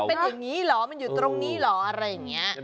เป็นอย่างนี้เหรอมันอยู่ตรงนี้เหรออะไรอย่างนี้